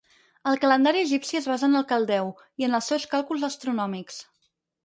El calendari egipci es basa en el caldeu, i en els seus càlculs astronòmics.